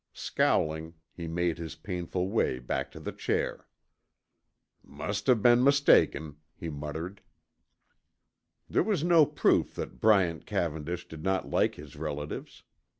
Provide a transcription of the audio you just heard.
Scowling, he made his painful way back to the chair. "Must've been mistaken," he muttered. There was no proof that Bryant Cavendish did not like his relatives.